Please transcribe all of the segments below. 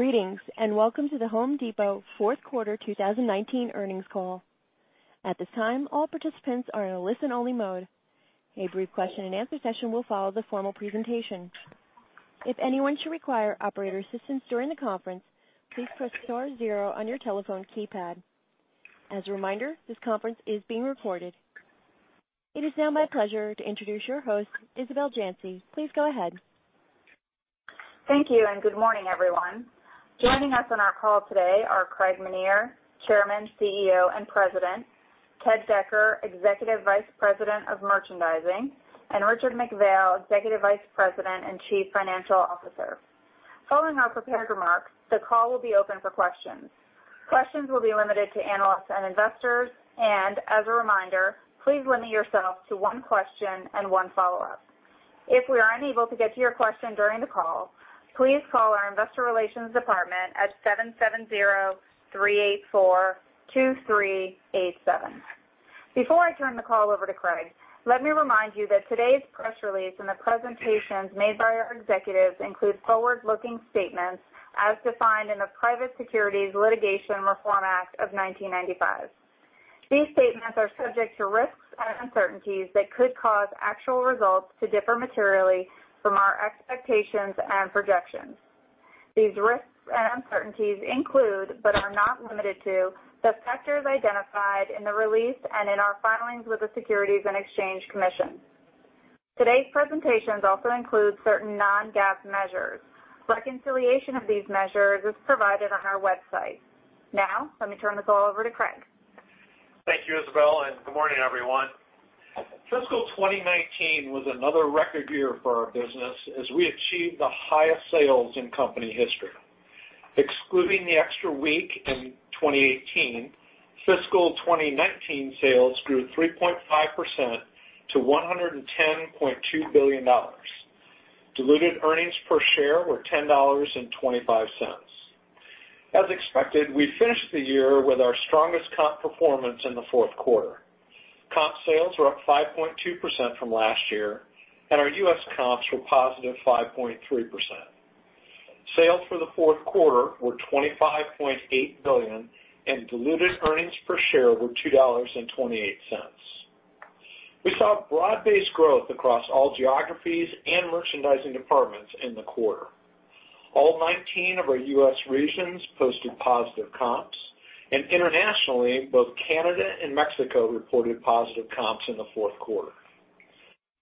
Greetings, welcome to The Home Depot fourth quarter 2019 earnings call. At this time, all participants are in a listen-only mode. A brief question and answer session will follow the formal presentation. If anyone should require operator assistance during the conference, please press star zero on your telephone keypad. As a reminder, this conference is being recorded. It is now my pleasure to introduce your host, Isabel Janci. Please go ahead. Thank you, and good morning, everyone. Joining us on our call today are Craig Menear, Chairman, CEO, and President, Ted Decker, Executive Vice President of Merchandising, and Richard McPhail, Executive Vice President and Chief Financial Officer. Following our prepared remarks, the call will be open for questions. Questions will be limited to analysts and investors. As a reminder, please limit yourself to one question and one follow-up. If we are unable to get to your question during the call, please call our investor relations department at 770-384-2387. Before I turn the call over to Craig, let me remind you that today's press release and the presentations made by our executives include forward-looking statements as defined in the Private Securities Litigation Reform Act of 1995. These statements are subject to risks and uncertainties that could cause actual results to differ materially from our expectations and projections. These risks and uncertainties include, but are not limited to, the factors identified in the release and in our filings with the Securities and Exchange Commission. Today's presentations also include certain non-GAAP measures. Reconciliation of these measures is provided on our website. Let me turn the call over to Craig. Thank you, Isabel, and good morning, everyone. Fiscal 2019 was another record year for our business as we achieved the highest sales in company history. Excluding the extra week in 2018, fiscal 2019 sales grew 3.5% to $110.2 billion. Diluted earnings per share were $10.25. As expected, we finished the year with our strongest comp performance in the fourth quarter. Comp sales were up 5.2% from last year, and our U.S. comps were positive 5.3%. Sales for the fourth quarter were $25.8 billion, and diluted earnings per share were $2.28. We saw broad-based growth across all geographies and merchandising departments in the quarter. All 19 of our U.S. regions posted positive comps, and internationally, both Canada and Mexico reported positive comps in the fourth quarter.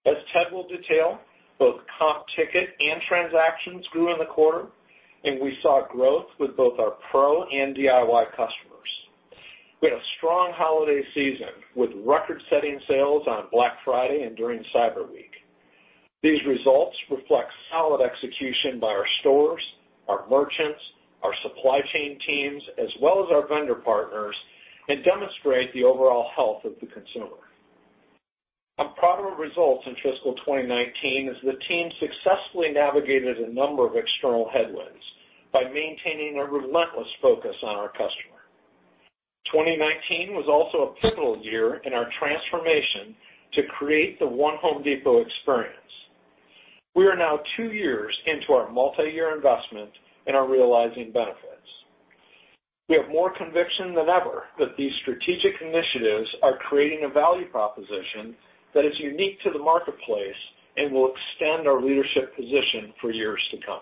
As Ted will detail, both comp ticket and transactions grew in the quarter, and we saw growth with both our pro and DIY customers. We had a strong holiday season, with record-setting sales on Black Friday and during Cyber Week. These results reflect solid execution by our stores, our merchants, our supply chain teams, as well as our vendor partners, and demonstrate the overall health of the consumer. I'm proud of our results in fiscal 2019, as the team successfully navigated a number of external headwinds by maintaining a relentless focus on our customer. 2019 was also a pivotal year in our transformation to create the One Home Depot experience. We are now two years into our multiyear investment and are realizing benefits. We have more conviction than ever that these strategic initiatives are creating a value proposition that is unique to the marketplace and will extend our leadership position for years to come.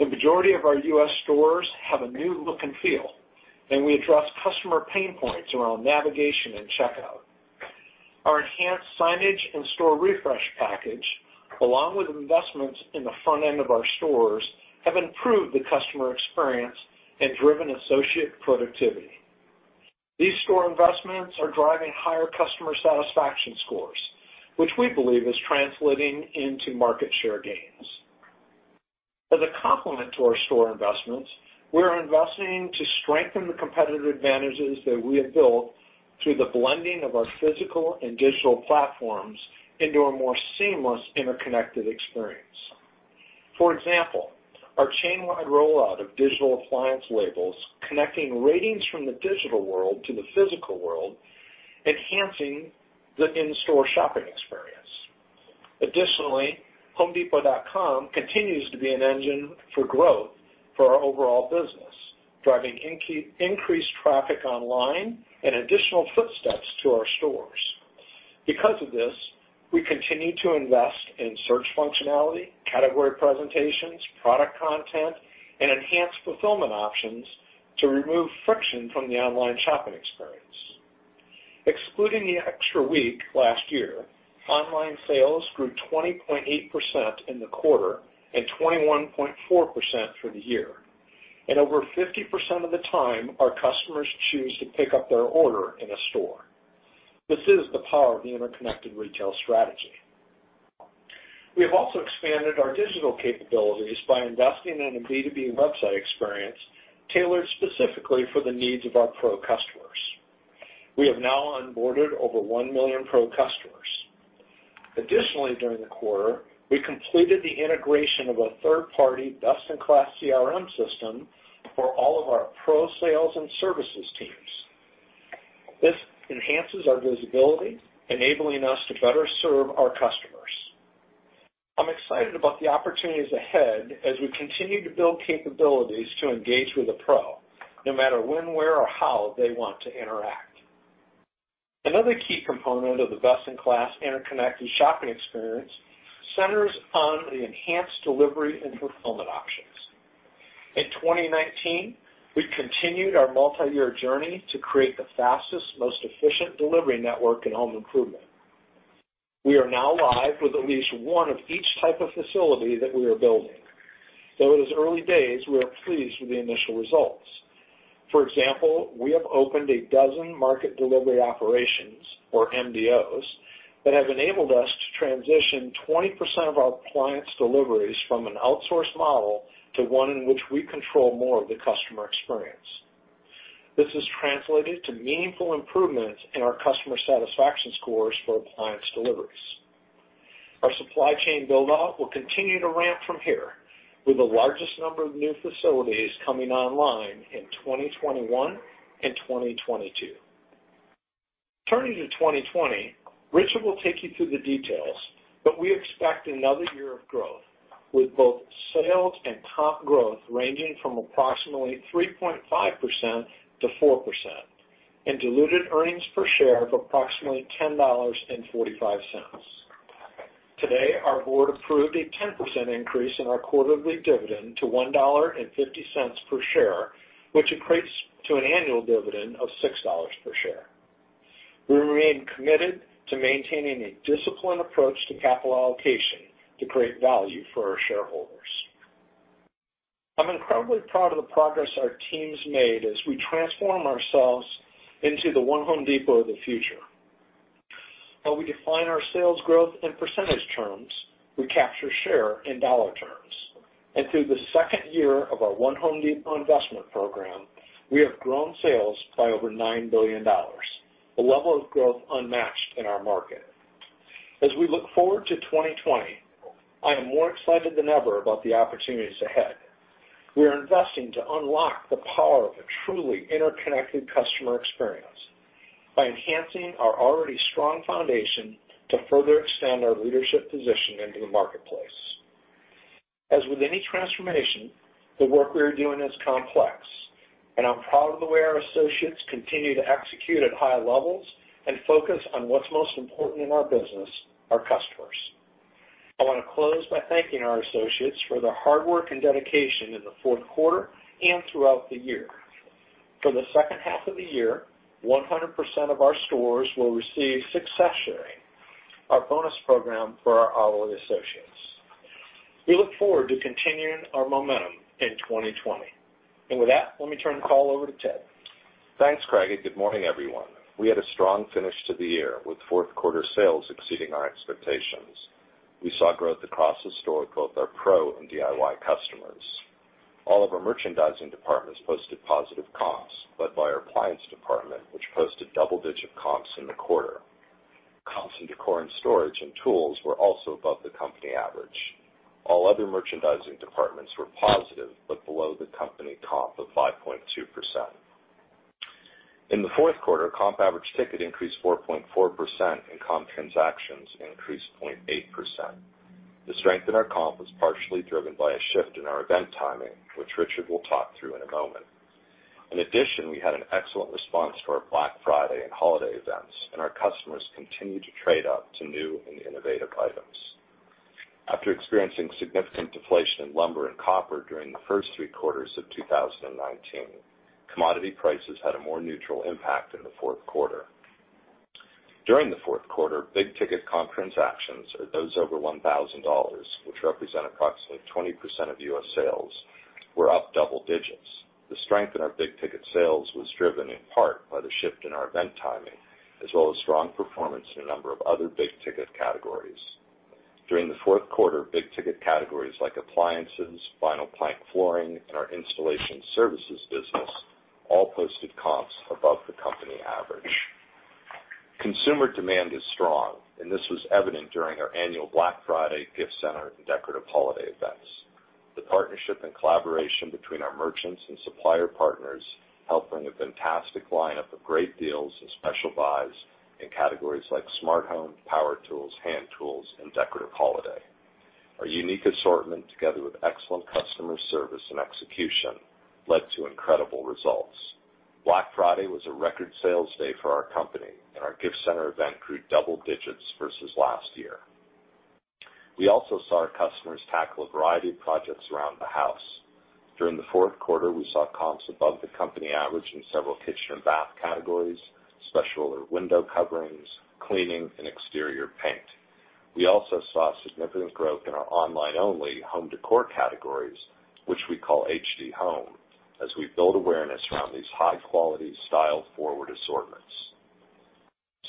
The majority of our U.S. stores have a new look and feel, and we address customer pain points around navigation and checkout. Our enhanced signage and store refresh package, along with investments in the front end of our stores, have improved the customer experience and driven associate productivity. These store investments are driving higher customer satisfaction scores, which we believe is translating into market share gains. As a complement to our store investments, we are investing to strengthen the competitive advantages that we have built through the blending of our physical and digital platforms into a more seamless interconnected experience. For example, our chain-wide rollout of digital appliance labels connecting ratings from the digital world to the physical world, enhancing the in-store shopping experience. Additionally, homedepot.com continues to be an engine for growth for our overall business, driving increased traffic online and additional footsteps to our stores. Because of this, we continue to invest in search functionality, category presentations, product content, and enhanced fulfillment options to remove friction from the online shopping experience. Excluding the extra week last year, online sales grew 20.8% in the quarter and 21.4% for the year. Over 50% of the time, our customers choose to pick up their order in a store. This is the power of the interconnected retail strategy. We have also expanded our digital capabilities by investing in a B2B website experience tailored specifically for the needs of our pro customers. We have now onboarded over 1 million pro customers. Additionally, during the quarter, we completed the integration of a third-party best-in-class CRM system for all of our pro sales and services teams. This enhances our visibility, enabling us to better serve our customers. I'm excited about the opportunities ahead as we continue to build capabilities to engage with a pro, no matter when, where, or how they want to interact. Another key component of the best-in-class interconnected shopping experience centers on the enhanced delivery and fulfillment options. In 2019, we continued our multiyear journey to create the fastest, most efficient delivery network in home improvement. We are now live with at least one of each type of facility that we are building. Though it is early days, we are pleased with the initial results. For example, we have opened a dozen Market Delivery Operations, or MDOs, that have enabled us to transition 20% of our clients' deliveries from an outsourced model to one in which we control more of the customer experience. This has translated to meaningful improvements in our customer satisfaction scores for appliance deliveries. Our supply chain build-out will continue to ramp from here, with the largest number of new facilities coming online in 2021 and 2022. Turning to 2020, Richard will take you through the details, but we expect another year of growth, with both sales and comp growth ranging from approximately 3.5%-4%, and diluted earnings per share of approximately $10.45. Today, our board approved a 10% increase in our quarterly dividend to $1.50 per share, which equates to an annual dividend of $6 per share. We remain committed to maintaining a disciplined approach to capital allocation to create value for our shareholders. I'm incredibly proud of the progress our team's made as we transform ourselves into the One Home Depot of the future. While we define our sales growth in percentage terms, we capture share in dollar terms. Through the second year of our One Home Depot investment program, we have grown sales by over $9 billion, a level of growth unmatched in our market. As we look forward to 2020, I am more excited than ever about the opportunities ahead. We are investing to unlock the power of a truly interconnected customer experience by enhancing our already strong foundation to further extend our leadership position into the marketplace. As with any transformation, the work we are doing is complex, and I'm proud of the way our associates continue to execute at high levels and focus on what's most important in our business, our customers. I want to close by thanking our associates for their hard work and dedication in the fourth quarter and throughout the year. For the second half of the year, 100% of our stores will receive Success Sharing, our bonus program for our hourly associates. We look forward to continuing our momentum in 2020. With that, let me turn the call over to Ted. Thanks, Craig. Good morning, everyone. We had a strong finish to the year, with fourth quarter sales exceeding our expectations. We saw growth across the store of both our pro and DIY customers. All of our merchandising departments posted positive comps, led by our appliance department, which posted double-digit comps in the quarter. Comps in decor and storage and tools were also above the company average. All other merchandising departments were positive, but below the company comp of 5.2%. In the fourth quarter, comp average ticket increased 4.4%, and comp transactions increased 0.8%. The strength in our comp was partially driven by a shift in our event timing, which Richard will talk through in a moment. In addition, we had an excellent response to our Black Friday and holiday events, and our customers continued to trade up to new and innovative items. After experiencing significant deflation in lumber and copper during the first three quarters of 2019, commodity prices had a more neutral impact in the fourth quarter. During the fourth quarter, big-ticket comp transactions, or those over $1,000, which represent approximately 20% of U.S. sales, were up double digits. The strength in our big-ticket sales was driven in part by the shift in our event timing, as well as strong performance in a number of other big-ticket categories. During the fourth quarter, big-ticket categories like appliances, vinyl plank flooring, and our installation services business all posted comps above the company average. Consumer demand is strong, this was evident during our annual Black Friday gift center and decorative holiday events. The partnership and collaboration between our merchants and supplier partners helped bring a fantastic lineup of great deals and special buys in categories like smart home, power tools, hand tools, and decorative holiday. Our unique assortment, together with excellent customer service and execution, led to incredible results. Black Friday was a record sales day for our company, and our gift center event grew double digits versus last year. We also saw our customers tackle a variety of projects around the house. During the fourth quarter, we saw comps above the company average in several kitchen and bath categories, special window coverings, cleaning, and exterior paint. We also saw significant growth in our online-only home decor categories, which we call HD Home, as we build awareness around these high-quality, style-forward assortments.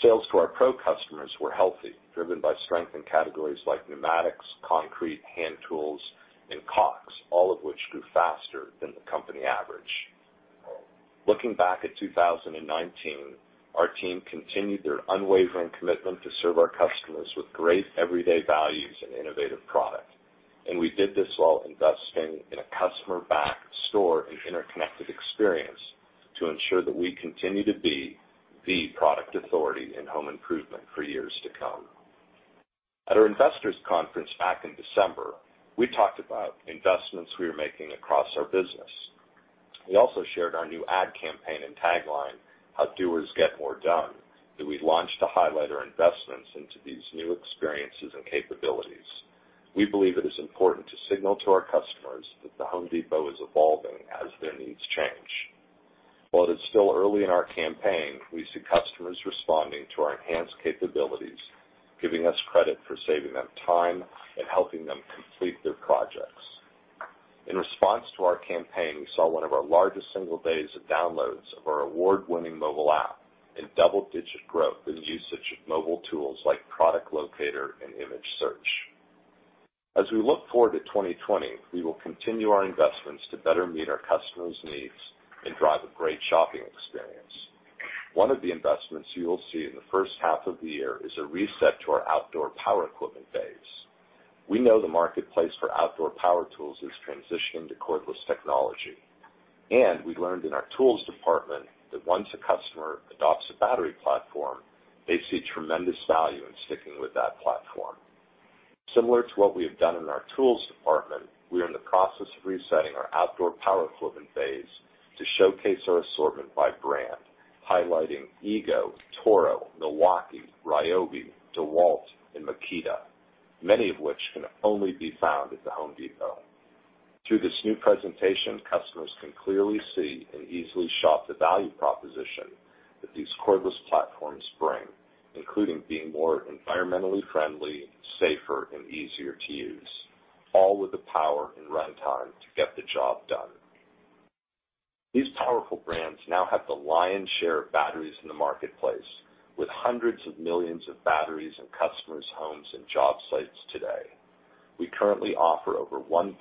Sales to our pro customers were healthy, driven by strength in categories like pneumatics, concrete, hand tools, and caulks, all of which grew faster than the company average. Looking back at 2019, our team continued their unwavering commitment to serve our customers with great everyday values and innovative product. We did this while investing in a customer-backed store and interconnected experience to ensure that we continue to be the product authority in home improvement for years to come. At our investors conference back in December, we talked about investments we were making across our business. We also shared our new ad campaign and tagline, "How Doers Get More Done," that we launched to highlight our investments into these new experiences and capabilities. We believe it is important to signal to our customers that The Home Depot is evolving as their needs change. While it is still early in our campaign, we see customers responding to our enhanced capabilities, giving us credit for saving them time and helping them complete their projects. In response to our campaign, we saw one of our largest single days of downloads of our award-winning mobile app in double-digit growth in usage of mobile tools like product locator and image search. As we look forward to 2020, we will continue our investments to better meet our customers' needs and drive a great shopping experience. One of the investments you will see in the first half of the year is a reset to our outdoor power equipment base. We know the marketplace for outdoor power tools is transitioning to cordless technology, and we learned in our tools department that once a customer adopts a battery platform, they see tremendous value in sticking with that platform. Similar to what we have done in our tools department, we are in the process of resetting our outdoor power equipment base to showcase our assortment by brand, highlighting EGO, Toro, Milwaukee, Ryobi, DeWalt, and Makita, many of which can only be found at The Home Depot. Through this new presentation, customers can clearly see and easily shop the value proposition that these cordless platforms bring, including being more environmentally friendly, safer, and easier to use, all with the power and runtime to get the job done. These powerful brands now have the lion's share of batteries in the marketplace, with hundreds of millions of batteries in customers' homes and job sites today. We currently offer over 1,000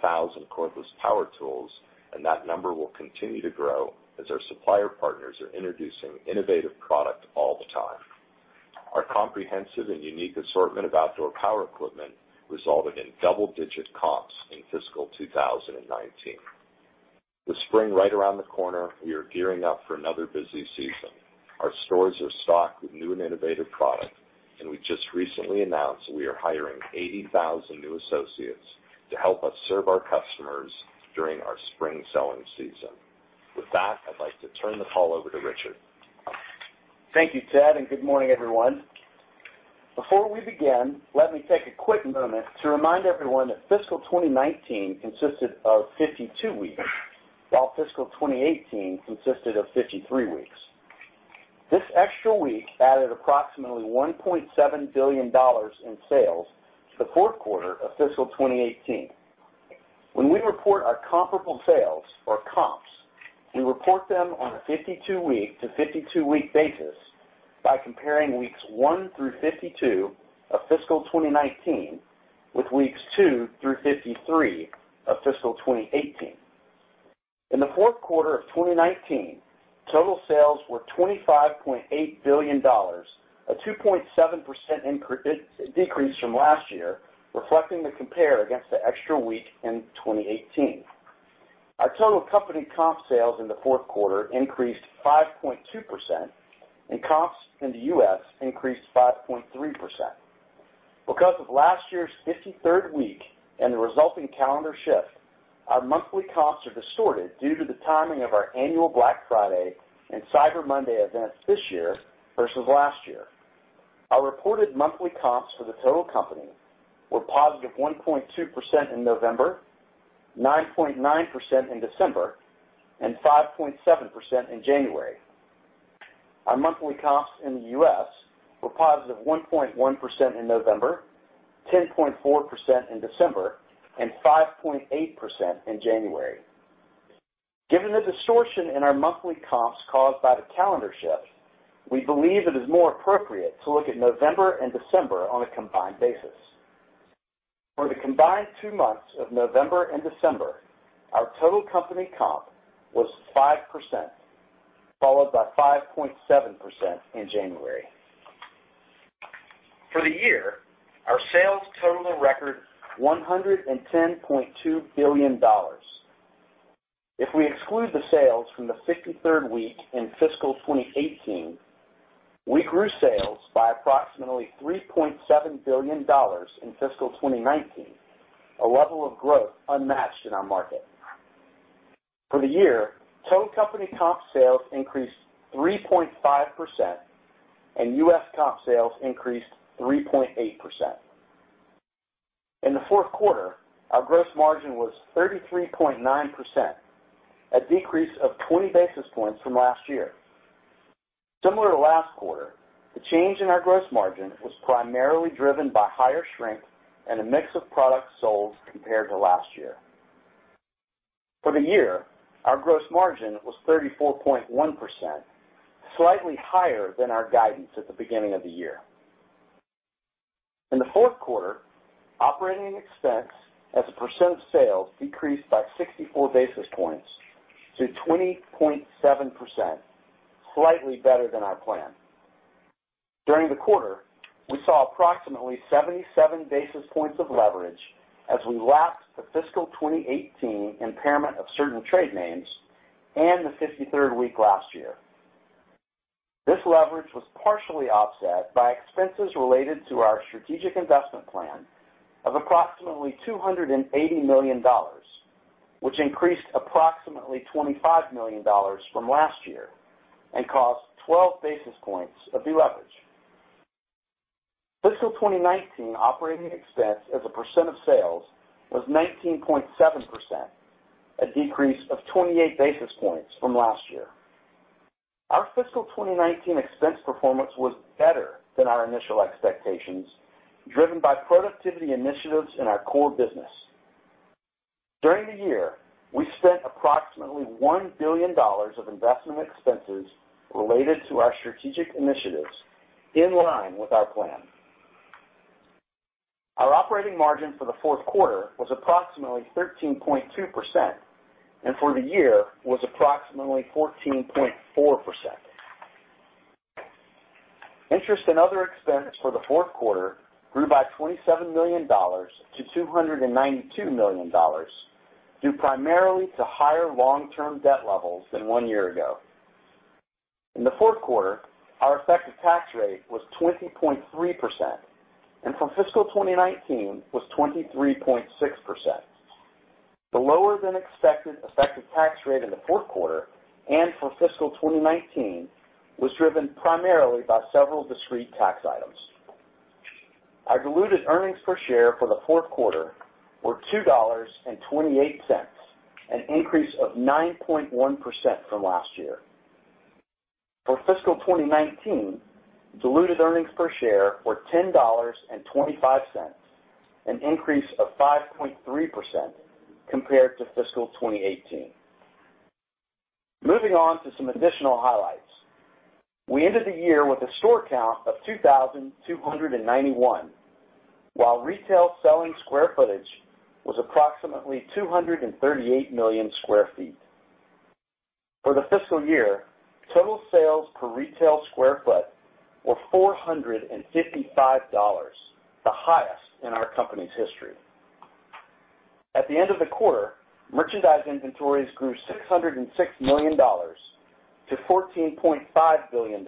cordless power tools, and that number will continue to grow as our supplier partners are introducing innovative product all the time. Our comprehensive and unique assortment of outdoor power equipment resulted in double-digit comps in fiscal 2019. With spring right around the corner, we are gearing up for another busy season. Our stores are stocked with new and innovative product, and we just recently announced we are hiring 80,000 new associates to help us serve our customers during our spring selling season. With that, I'd like to turn the call over to Richard. Thank you, Ted, and good morning, everyone. Before we begin, let me take a quick moment to remind everyone that fiscal 2019 consisted of 52 weeks, while fiscal 2018 consisted of 53 weeks. This extra week added approximately $1.7 billion in sales to the fourth quarter of fiscal 2018. When we report our comparable sales or comps, we report them on a 52-week to 52-week basis by comparing weeks one through 52 of fiscal 2019 with weeks two through 53 of fiscal 2018. In the fourth quarter of 2019, total sales were $25.8 billion, a 2.7% decrease from last year, reflecting the compare against the extra week in 2018. Our total company comp sales in the fourth quarter increased 5.2%, and comps in the U.S. increased 5.3%. Because of last year's 53rd week and the resulting calendar shift, our monthly comps are distorted due to the timing of our annual Black Friday and Cyber Monday events this year versus last year. Our reported monthly comps for the total company were positive 1.2% in November, 9.9% in December, and 5.7% in January. Our monthly comps in the U.S. were positive 1.1% in November, 10.4% in December, and 5.8% in January. Given the distortion in our monthly comps caused by the calendar shift, we believe it is more appropriate to look at November and December on a combined basis. For the combined two months of November and December, our total company comp was 5%, followed by 5.7% in January. For the year, our sales total a record $110.2 billion. If we exclude the sales from the 53rd week in fiscal 2018, we grew sales by approximately $3.7 billion in fiscal 2019, a level of growth unmatched in our market. For the year, total company comp sales increased 3.5%, and U.S. comp sales increased 3.8%. In the fourth quarter, our gross margin was 33.9%, a decrease of 20 basis points from last year. Similar to last quarter, the change in our gross margin was primarily driven by higher shrink and a mix of products sold compared to last year. For the year, our gross margin was 34.1%, slightly higher than our guidance at the beginning of the year. In the fourth quarter, operating expense as a percent of sales decreased by 64 basis points to 20.7%, slightly better than our plan. During the quarter, we saw approximately 77 basis points of leverage as we lapsed the fiscal 2018 impairment of certain trade names and the 53rd week last year. This leverage was partially offset by expenses related to our strategic investment plan of approximately $280 million, which increased approximately $25 million from last year and cost 12 basis points of de-leverage. Fiscal 2019 operating expense as a percent of sales was 19.7%, a decrease of 28 basis points from last year. Our fiscal 2019 expense performance was better than our initial expectations, driven by productivity initiatives in our core business. During the year, we spent approximately $1 billion of investment expenses related to our strategic initiatives in line with our plan. Our operating margin for the fourth quarter was approximately 13.2%, and for the year was approximately 14.4%. Interest and other expense for the fourth quarter grew by $27 million to $292 million, due primarily to higher long-term debt levels than one year ago. In the fourth quarter, our effective tax rate was 20.3%, and for fiscal 2019 was 23.6%. The lower than expected effective tax rate in the fourth quarter and for fiscal 2019 was driven primarily by several discrete tax items. Our diluted earnings per share for the fourth quarter were $2.28, an increase of 9.1% from last year. For fiscal 2019, diluted earnings per share were $10.25, an increase of 5.3% compared to fiscal 2018. Moving on to some additional highlights. We ended the year with a store count of 2,291, while retail selling square footage was approximately 238 million sq ft. For the fiscal year, total sales per retail square foot were $455, the highest in our company's history. At the end of the quarter, merchandise inventories grew $606 million to $14.5 billion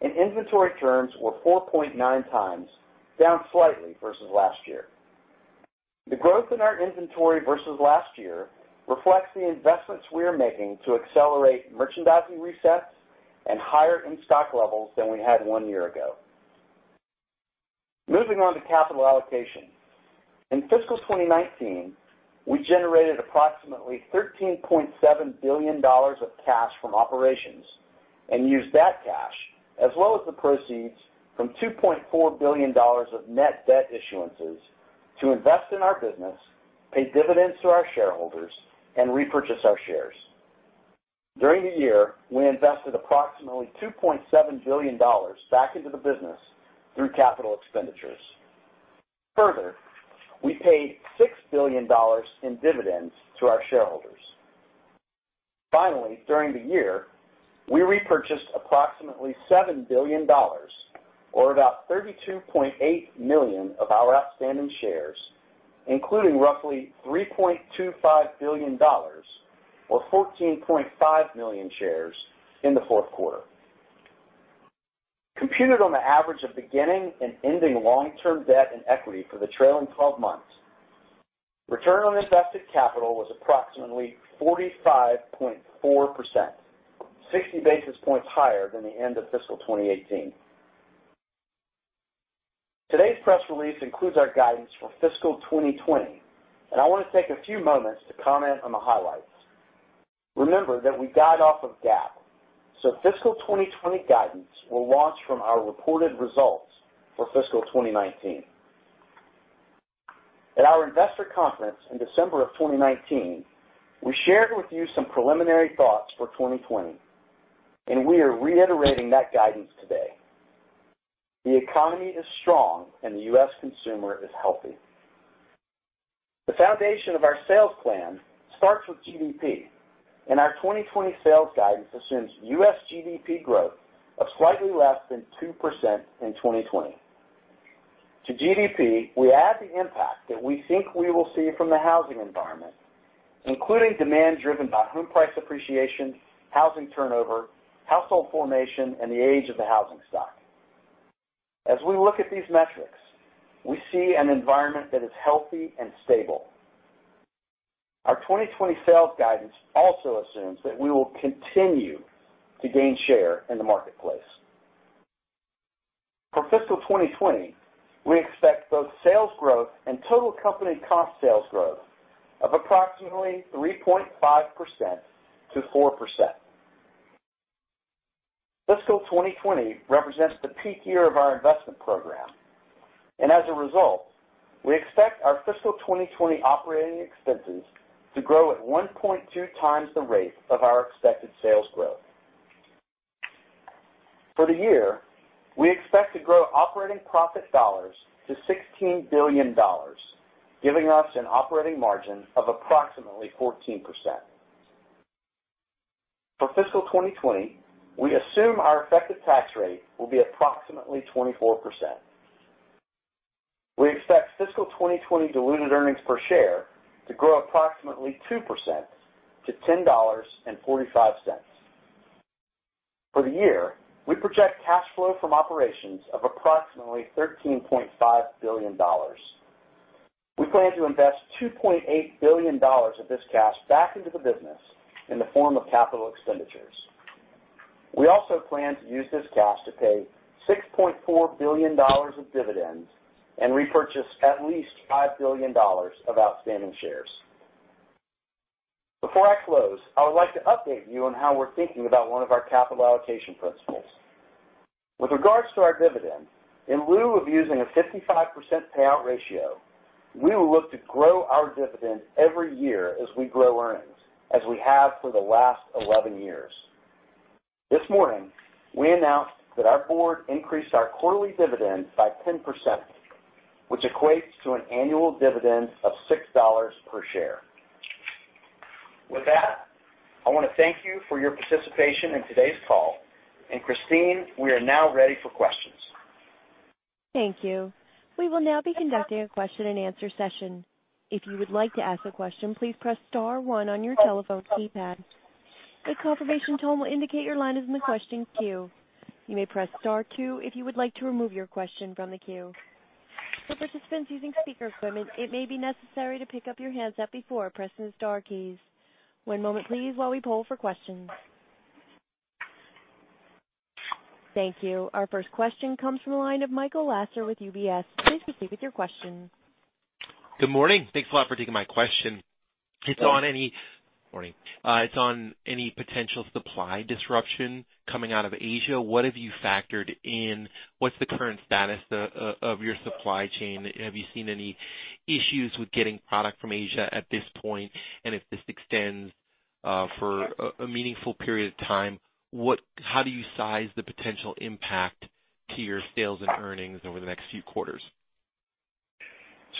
and inventory turns were 4.9 times, down slightly versus last year. The growth in our inventory versus last year reflects the investments we are making to accelerate merchandising resets and higher in-stock levels than we had one year ago. Moving on to capital allocation. In fiscal 2019, we generated approximately $13.7 billion of cash from operations and used that cash, as well as the proceeds from $2.4 billion of net debt issuances, to invest in our business, pay dividends to our shareholders, and repurchase our shares. During the year, we invested approximately $2.7 billion back into the business through capital expenditures. Further, we paid $6 billion in dividends to our shareholders. Finally, during the year, we repurchased approximately $7 billion, or about 32.8 million of our outstanding shares, including roughly $3.25 billion or 14.5 million shares in the fourth quarter. Computed on the average of beginning and ending long-term debt and equity for the trailing 12 months, return on invested capital was approximately 45.4%, 60 basis points higher than the end of fiscal 2018. I want to take a few moments to comment on the highlights. Remember that we guide off of GAAP, Fiscal 2020 guidance will launch from our reported results for fiscal 2019. At our investor conference in December of 2019, we shared with you some preliminary thoughts for 2020, We are reiterating that guidance today. The economy is strong and the U.S. consumer is healthy. The foundation of our sales plan starts with GDP, and our 2020 sales guidance assumes U.S. GDP growth of slightly less than 2% in 2020. To GDP, we add the impact that we think we will see from the housing environment, including demand driven by home price appreciation, housing turnover, household formation, and the age of the housing stock. As we look at these metrics, we see an environment that is healthy and stable. Our 2020 sales guidance also assumes that we will continue to gain share in the marketplace. For fiscal 2020, we expect both sales growth and total company comp sales growth of approximately 3.5%-4%. Fiscal 2020 represents the peak year of our investment program, and as a result, we expect our fiscal 2020 operating expenses to grow at 1.2 times the rate of our expected sales growth. For the year, we expect to grow operating profit dollars to $16 billion, giving us an operating margin of approximately 14%. For fiscal 2020, we assume our effective tax rate will be approximately 24%. We expect fiscal 2020 diluted earnings per share to grow approximately 2% to $10.45. For the year, we project cash flow from operations of approximately $13.5 billion. We plan to invest $2.8 billion of this cash back into the business in the form of capital expenditures. We also plan to use this cash to pay $6.4 billion of dividends and repurchase at least $5 billion of outstanding shares. Before I close, I would like to update you on how we're thinking about one of our capital allocation principles. With regards to our dividend, in lieu of using a 55% payout ratio, we will look to grow our dividend every year as we grow earnings, as we have for the last 11 years. This morning, we announced that our board increased our quarterly dividend by 10%, which equates to an annual dividend of $6 per share. With that, I want to thank you for your participation in today's call. Christine, we are now ready for questions. Thank you. We will now be conducting a question and answer session. If you would like to ask a question, please press star one on your telephone keypad. A confirmation tone will indicate your line is in the questions queue. You may press star two if you would like to remove your question from the queue. For participants using speaker equipment, it may be necessary to pick up your handset before pressing the star keys. One moment please while we poll for questions. Thank you. Our first question comes from the line of Michael Lasser with UBS. Please proceed with your question. Good morning. Thanks a lot for taking my question. Good morning. It's on any potential supply disruption coming out of Asia. What have you factored in? What's the current status of your supply chain? Have you seen any issues with getting product from Asia at this point? If this extends for a meaningful period of time, how do you size the potential impact to your sales and earnings over the next few quarters?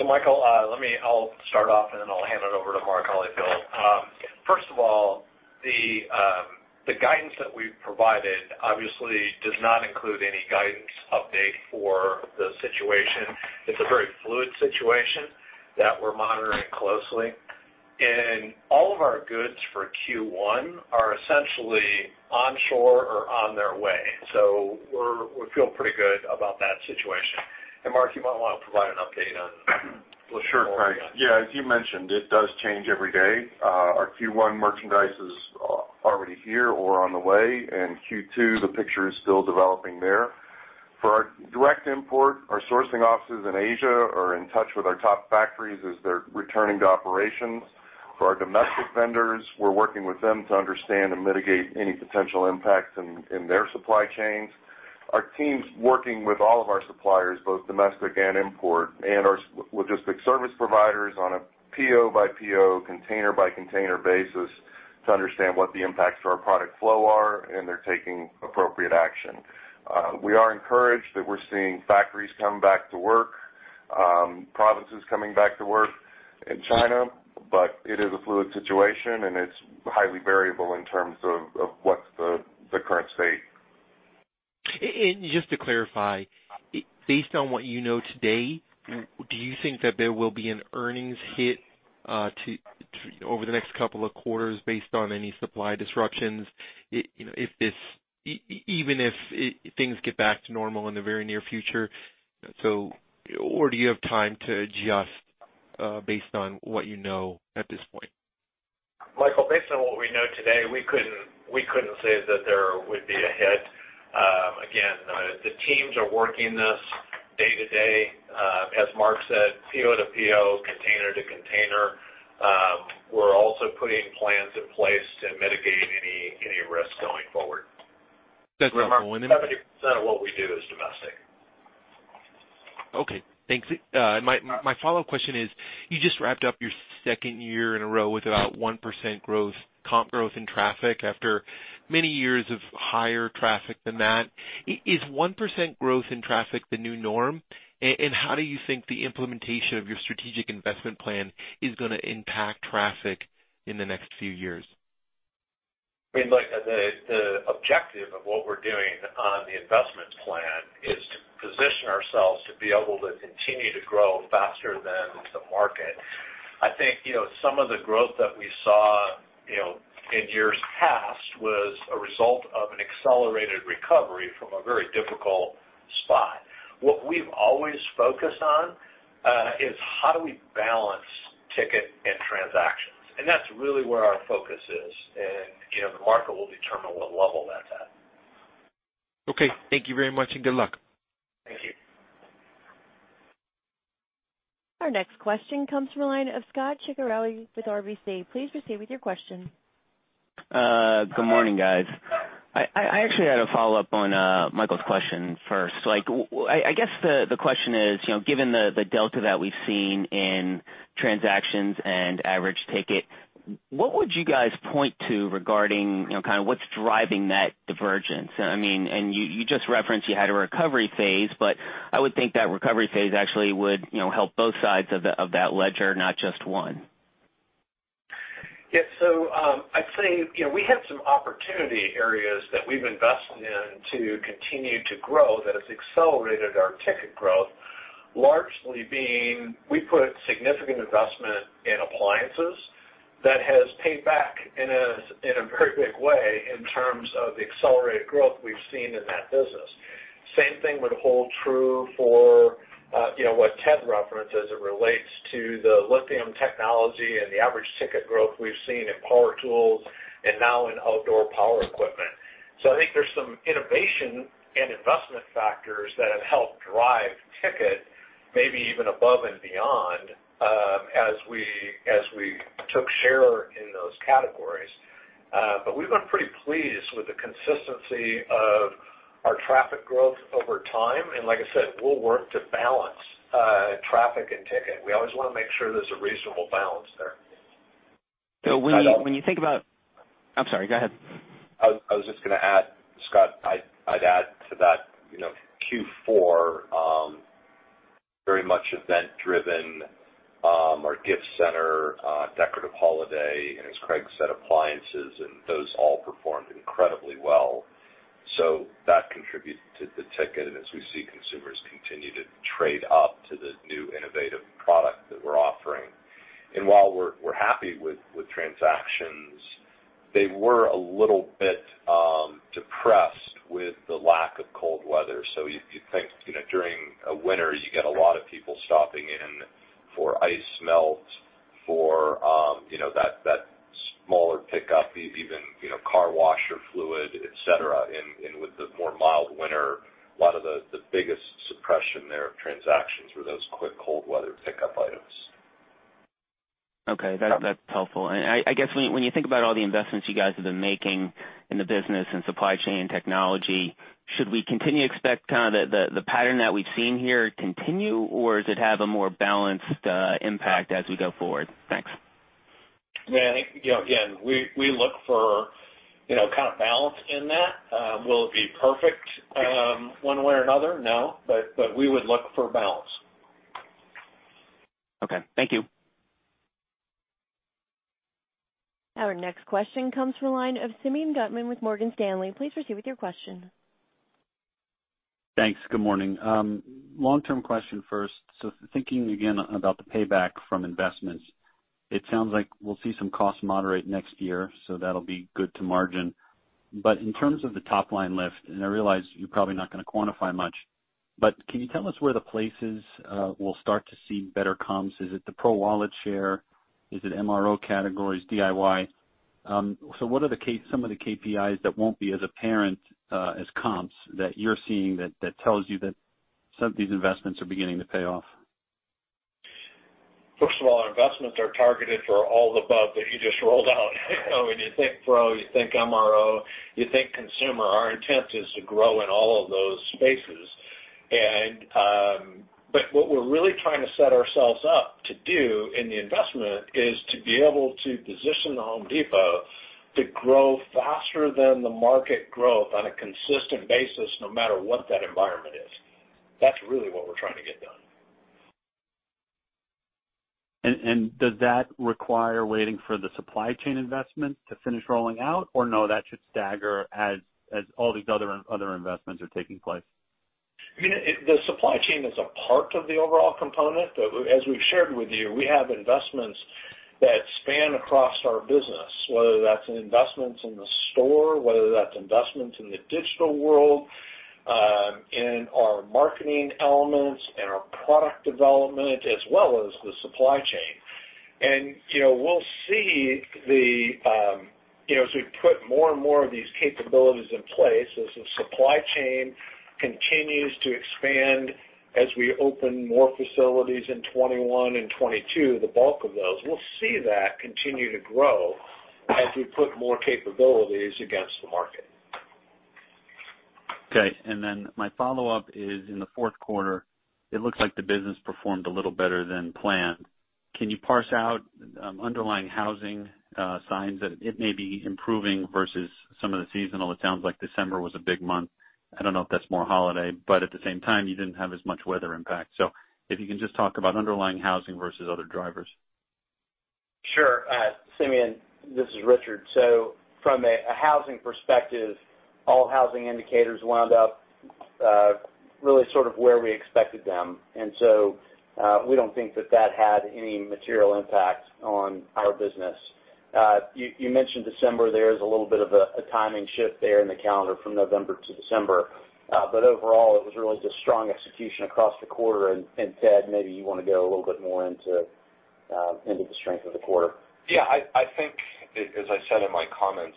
Michael, I'll start off, and then I'll hand it over to Mark Holifield. First of all, the guidance that we've provided obviously does not include any guidance update for the situation. It's a very fluid situation that we're monitoring closely. All of our goods for Q1 are essentially onshore or on their way. We feel pretty good about that situation. Mark, you might want to provide an update on Sure, Craig. Yeah, as you mentioned, it does change every day. Q1 merchandise is already here or on the way. Q2, the picture is still developing there. For our direct import, our sourcing offices in Asia are in touch with our top factories as they're returning to operations. For our domestic vendors, we're working with them to understand and mitigate any potential impacts in their supply chains. Our team's working with all of our suppliers, both domestic and import, and our logistic service providers on a PO by PO, container by container basis to understand what the impacts to our product flow are, and they're taking appropriate action. We are encouraged that we're seeing factories come back to work, provinces coming back to work in China, it is a fluid situation, and it's highly variable in terms of what's the current state. Just to clarify, based on what you know today, do you think that there will be an earnings hit over the next couple of quarters based on any supply disruptions even if things get back to normal in the very near future? Or do you have time to adjust based on what you know at this point? Michael, based on what we know today, we couldn't say that there would be a hit. Again, the teams are working this day to day. As Mark said, PO to PO, container to container. We're also putting plans in place to mitigate any risk going forward. Does that go in? 70% of what we do is domestic. Okay, thanks. My follow-up question is, you just wrapped up your second year in a row with about 1% comp growth in traffic after many years of higher traffic than that. Is 1% growth in traffic the new norm? How do you think the implementation of your strategic investment plan is going to impact traffic in the next few years? I mean, look, the objective of what we're doing on the investment plan is to position ourselves to be able to continue to grow faster than the market. I think some of the growth that we saw in years past was a result of an accelerated recovery from a very difficult spot. What we've always focused on is how do we balance ticket and transactions, and that's really where our focus is. The market will determine what level that's at. Okay. Thank you very much, and good luck. Thank you. Our next question comes from the line of Scot Ciccarelli with RBC. Please proceed with your question. Good morning, guys. I actually had a follow-up on Michael's question first. I guess the question is, given the delta that we've seen in transactions and average ticket, what would you guys point to regarding what's driving that divergence? You just referenced you had a recovery phase. I would think that recovery phase actually would help both sides of that ledger, not just one. I'd say, we have some opportunity areas that we've invested in to continue to grow that has accelerated our ticket growth, largely being, we put significant investment in appliances that has paid back in a very big way in terms of the accelerated growth we've seen in that business. Same thing would hold true for what Ted referenced as it relates to the lithium technology and the average ticket growth we've seen in power tools and now in outdoor power equipment. I think there's some innovation and investment factors that have helped drive ticket, maybe even above and beyond, as we took share in those categories. We've been pretty pleased with the consistency of our traffic growth over time. Like I said, we'll work to balance traffic and ticket. We always want to make sure there's a reasonable balance there. When you think about I'm sorry, go ahead. I was just going to add, Scot, I'd add to that. Q4, very much event driven. Our gift center, decorative holiday, and as Craig said, appliances, and those all performed incredibly well. That contributes to the ticket, and as we see consumers continue to trade up to the new innovative product that we're offering. While we're happy with transactions, they were a little bit depressed with the lack of cold weather. If you think during a winter, you get a lot of people stopping in for ice melt, for that smaller pickup, even car washer fluid, et cetera. With the more mild winter, a lot of the biggest suppression there of transactions were those quick cold weather pickup items. Okay. That's helpful. I guess when you think about all the investments you guys have been making in the business in supply chain and technology, should we continue to expect the pattern that we've seen here continue, or does it have a more balanced impact as we go forward? Thanks. I think, again, we look for kind of balance in that. Will it be perfect one way or another? No. We would look for balance. Okay. Thank you. Our next question comes from the line of Simeon Gutman with Morgan Stanley. Please proceed with your question. Thanks. Good morning. Long-term question first. Thinking again about the payback from investments, it sounds like we'll see some costs moderate next year, so that'll be good to margin. In terms of the top-line lift, and I realize you're probably not going to quantify much, but can you tell us where the places we'll start to see better comps? Is it the pro wallet share? Is it MRO categories, DIY? What are some of the KPIs that won't be as apparent as comps that you're seeing that tells you that some of these investments are beginning to pay off? First of all, our investments are targeted for all the above that you just rolled out. When you think pro, you think MRO, you think consumer. Our intent is to grow in all of those spaces. What we're really trying to set ourselves up to do in the investment is to be able to position The Home Depot to grow faster than the market growth on a consistent basis, no matter what that environment is. That's really what we're trying to get done. Does that require waiting for the supply chain investment to finish rolling out, or no, that should stagger as all these other investments are taking place? The supply chain is a part of the overall component. As we've shared with you, we have investments that span across our business, whether that's investments in the store, whether that's investments in the digital world, in our marketing elements and our product development, as well as the supply chain. We put more and more of these capabilities in place as the supply chain continues to expand, as we open more facilities in 2021 and 2022, the bulk of those. We'll see that continue to grow as we put more capabilities against the market. Okay. My follow-up is, in the fourth quarter, it looks like the business performed a little better than planned. Can you parse out underlying housing signs that it may be improving versus some of the seasonal? It sounds like December was a big month. I don't know if that's more holiday, at the same time, you didn't have as much weather impact. If you can just talk about underlying housing versus other drivers. Sure. Simeon, this is Richard. From a housing perspective, all housing indicators wound up really sort of where we expected them. We don't think that that had any material impact on our business. You mentioned December. There is a little bit of a timing shift there in the calendar from November to December. Overall, it was really just strong execution across the quarter. Ted, maybe you want to go a little bit more into the strength of the quarter. I think, as I said in my comments,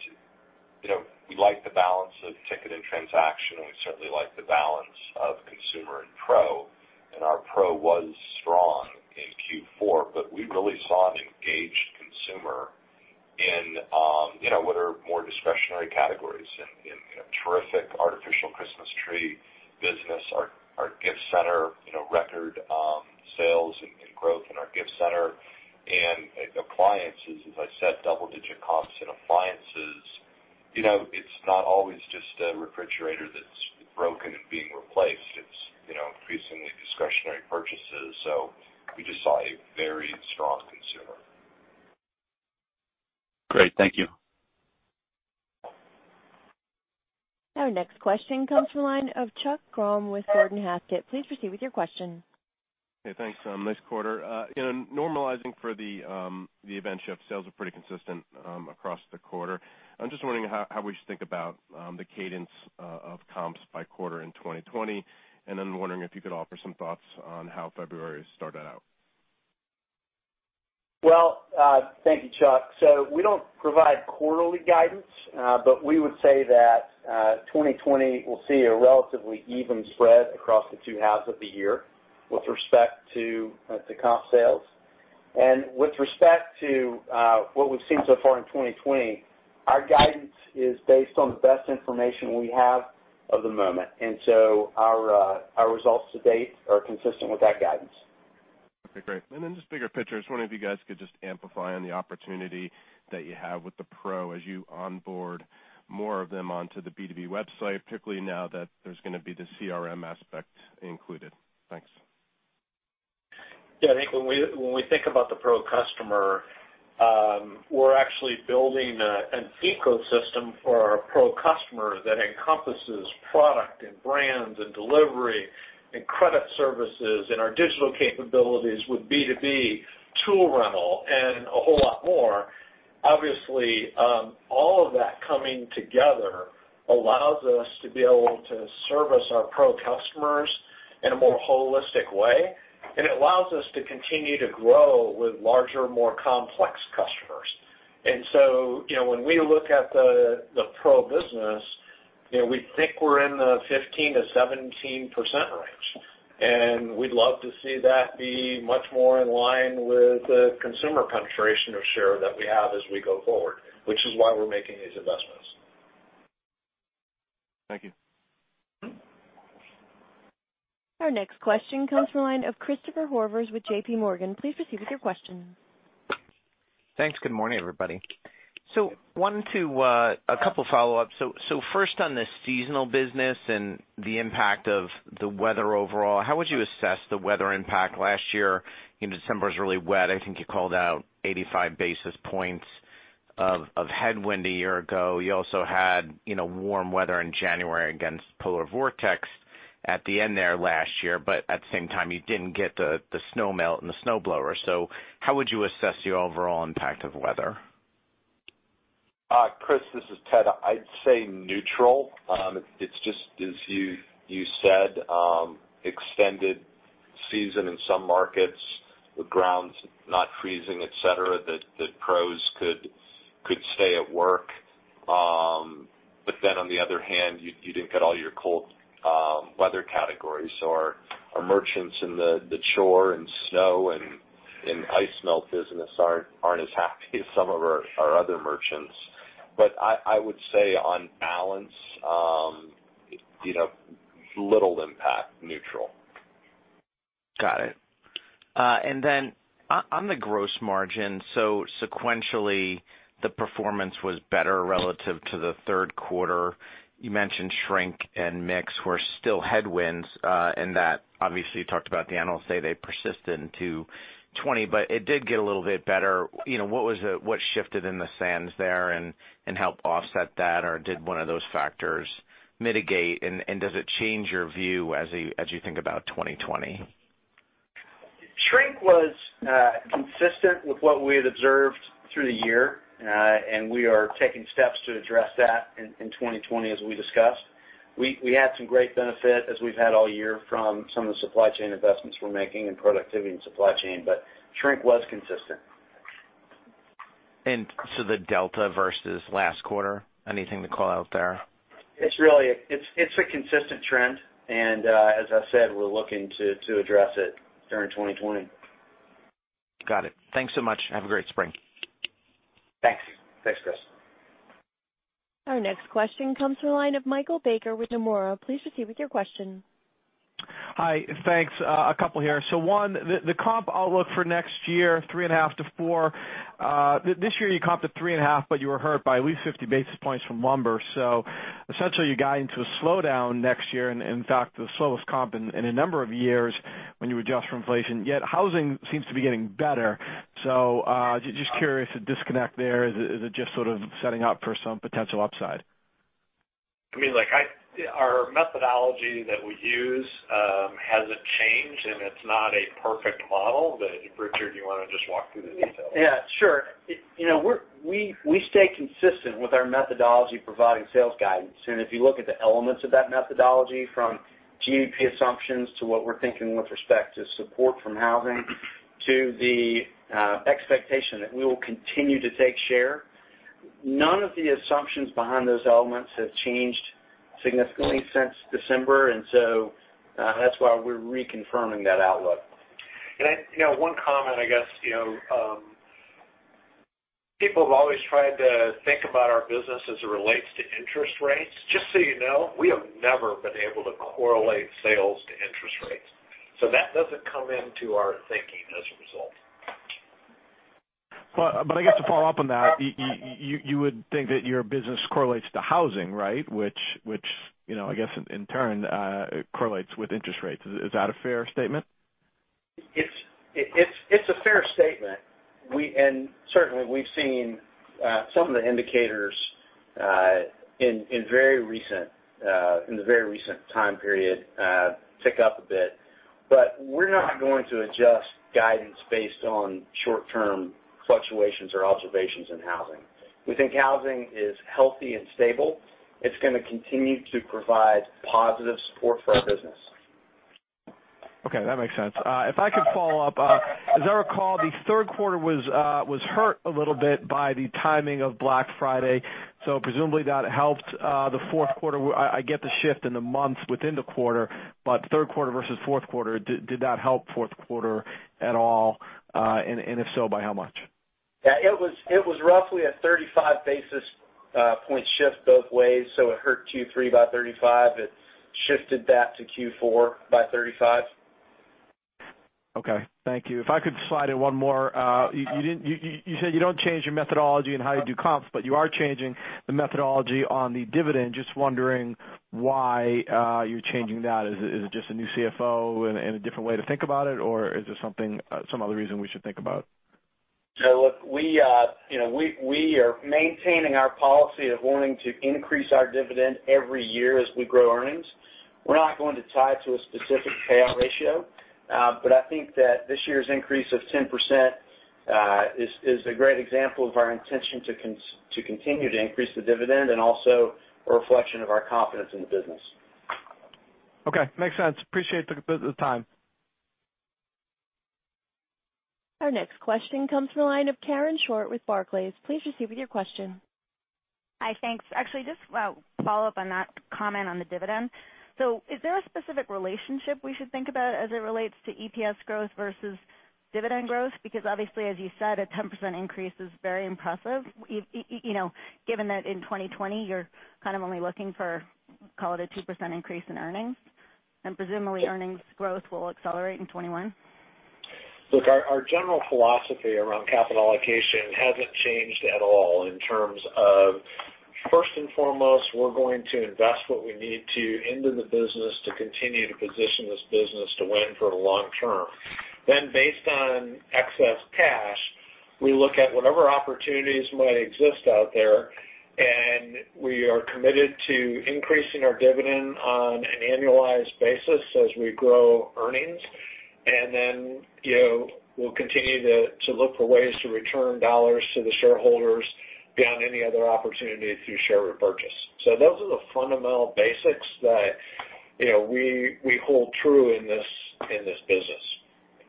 we like the balance of ticket and transaction, and we certainly like the balance of consumer and pro, and our pro was strong in Q4. We really saw an engaged consumer in what are more discretionary categories in a terrific artificial Christmas tree business, our gift center, record sales and growth in our gift center. Appliances, as I said, double-digit comps in appliances. It's not always just a refrigerator that's broken and being replaced. It's increasingly discretionary purchases. We just saw a very strong consumer. Great. Thank you. Our next question comes from the line of Chuck Grom with Gordon Haskett. Please proceed with your question. Hey, thanks. Nice quarter. Normalizing for the event shift, sales are pretty consistent across the quarter. I'm just wondering how we should think about the cadence of comps by quarter in 2020, and then wondering if you could offer some thoughts on how February started out. Thank you, Chuck. We don't provide quarterly guidance, but we would say that 2020 will see a relatively even spread across the two halves of the year with respect to comp sales. With respect to what we've seen so far in 2020, our guidance is based on the best information we have at the moment. Our results to date are consistent with that guidance. Okay, great. Just bigger picture, just wondering if you guys could just amplify on the opportunity that you have with the pro as you onboard more of them onto the B2B website, particularly now that there's going to be the CRM aspect included. Thanks. Yeah, I think when we think about the pro customer, we're actually building an ecosystem for our pro customer that encompasses product and brands and delivery and credit services, and our digital capabilities with B2B tool rental and a whole lot more. Obviously, all of that coming together allows us to be able to service our pro customers in a more holistic way. It allows us to continue to grow with larger, more complex customers. When we look at the pro business, we think we're in the 15%-17% range, and we'd love to see that be much more in line with the consumer penetration of share that we have as we go forward, which is why we're making these investments. Thank you. Our next question comes from the line of Christopher Horvers with JPMorgan. Please proceed with your question. Thanks. Good morning, everybody. A couple follow-ups. First on the seasonal business and the impact of the weather overall, how would you assess the weather impact last year? December was really wet. I think you called out 85 basis points of headwind a year ago. You also had warm weather in January against polar vortex at the end there last year. At the same time, you didn't get the snow melt and the snowblower. How would you assess the overall impact of weather? Chris, this is Ted. I'd say neutral. It's just as you said, extended season in some markets, the ground's not freezing, et cetera, that pros could stay at work. On the other hand, you didn't get all your cold weather categories. Our merchants in the chore and snow and ice melt business aren't as happy as some of our other merchants. I would say on balance, little impact, neutral. Got it. Then on the gross margin. Sequentially, the performance was better relative to the third quarter. You mentioned shrink and mix were still headwinds. That obviously you talked about the analysts say they persisted into 2020, but it did get a little bit better. What shifted in the sands there and helped offset that? Did one of those factors mitigate, and does it change your view as you think about 2020? Shrink was consistent with what we had observed through the year, and we are taking steps to address that in 2020, as we discussed. We had some great benefit, as we've had all year, from some of the supply chain investments we're making in productivity and supply chain. Shrink was consistent. The delta versus last quarter, anything to call out there? It's a consistent trend, and as I said, we're looking to address it during 2020. Got it. Thanks so much. Have a great spring. Thanks. Thanks, Chris. Our next question comes from the line of Michael Baker with Nomura. Please proceed with your question. Hi. Thanks. A couple here. One, the comp outlook for next year, 3.5%-4%. This year you comped at 3.5%, but you were hurt by at least 50 basis points from lumber. Essentially, you guide into a slowdown next year, and in fact, the slowest comp in a number of years when you adjust for inflation, yet housing seems to be getting better. Just curious, the disconnect there, is it just sort of setting up for some potential upside? Our methodology that we use hasn't changed, and it's not a perfect model, but Richard, you want to just walk through the details? Yeah, sure. We stay consistent with our methodology providing sales guidance. If you look at the elements of that methodology, from GDP assumptions to what we're thinking with respect to support from housing to the expectation that we will continue to take share, none of the assumptions behind those elements have changed significantly since December, and so that's why we're reconfirming that outlook. One comment, I guess. People have always tried to think about our business as it relates to interest rates. Just so you know, we have never been able to correlate sales to interest rates. That doesn't come into our thinking as a result. I guess to follow up on that, you would think that your business correlates to housing, right? Which, I guess, in turn, correlates with interest rates. Is that a fair statement? It's a fair statement. Certainly, we've seen some of the indicators in the very recent time period tick up a bit. We're not going to adjust guidance based on short-term fluctuations or observations in housing. We think housing is healthy and stable. It's going to continue to provide positive support for our business. Okay, that makes sense. If I could follow up, as I recall, the third quarter was hurt a little bit by the timing of Black Friday, presumably that helped the fourth quarter. I get the shift in the months within the quarter, but third quarter versus fourth quarter, did that help fourth quarter at all? If so, by how much? Yeah, it was roughly a 35 basis point shift both ways, so it hurt Q3 by 35. It shifted that to Q4 by 35. Okay, thank you. If I could slide in one more. You said you don't change your methodology in how you do comps, but you are changing the methodology on the dividend. Just wondering why you're changing that. Is it just a new CFO and a different way to think about it, or is there some other reason we should think about? Look, we are maintaining our policy of wanting to increase our dividend every year as we grow earnings. We're not going to tie it to a specific payout ratio. I think that this year's increase of 10% is a great example of our intention to continue to increase the dividend and also a reflection of our confidence in the business. Okay. Makes sense. Appreciate the time. Our next question comes from the line of Karen Short with Barclays. Please proceed with your question. Hi, thanks. Actually, just follow up on that comment on the dividend. Is there a specific relationship we should think about as it relates to EPS growth versus dividend growth? Obviously, as you said, a 10% increase is very impressive, given that in 2020, you're kind of only looking for, call it a 2% increase in earnings. Presumably earnings growth will accelerate in 2021. Look, our general philosophy around capital allocation hasn't changed at all in terms of, first and foremost, we're going to invest what we need to into the business to continue to position this business to win for the long term. Based on excess cash, we look at whatever opportunities might exist out there, and we are committed to increasing our dividend on an annualized basis as we grow earnings. Then, we'll continue to look for ways to return dollars to the shareholders beyond any other opportunity through share repurchase. Those are the fundamental basics that we hold true in this business.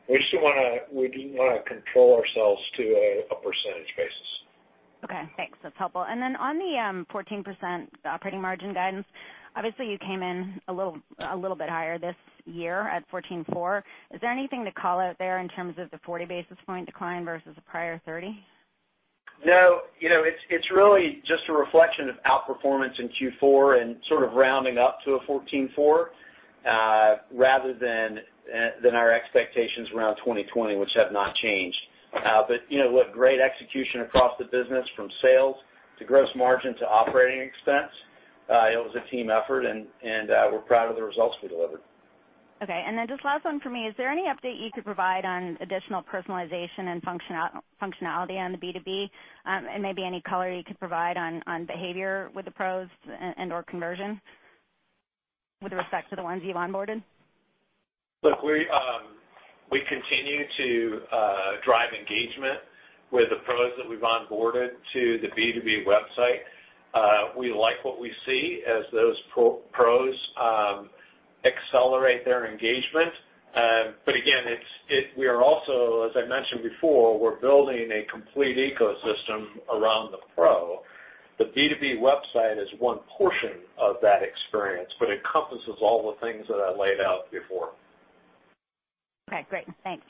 We just don't want to control ourselves to a percentage basis. Okay, thanks. That's helpful. On the 14% operating margin guidance, obviously you came in a little bit higher this year at 14.4%. Is there anything to call out there in terms of the 40 basis point decline versus the prior 30 basis points? No. It's really just a reflection of outperformance in Q4 and sort of rounding up to a 14.4%, rather than our expectations around 2020, which have not changed. Look, great execution across the business from sales to gross margin to operating expense. It was a team effort and we're proud of the results we delivered. Okay, then just last one from me. Is there any update you could provide on additional personalization and functionality on the B2B? Maybe any color you could provide on behavior with the pros and/or conversion with respect to the ones you've onboarded? We continue to drive engagement with the pros that we've onboarded to the B2B website. We like what we see as those pros accelerate their engagement. Again, as I mentioned before, we're building a complete ecosystem around the pro. The B2B website is one portion of that experience, but encompasses all the things that I laid out before. Okay, great. Thanks.